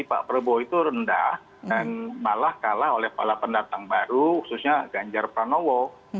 pak prabowo itu rendah dan malah kalah oleh para pendatang baru khususnya ganjar pranowo